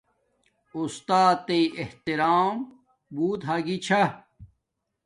اُستات تݵ احترام بوت ھاگی چھا